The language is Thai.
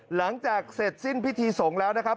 หลังจากเสร็จสิ้นพิธีสงฆ์แล้วนะครับ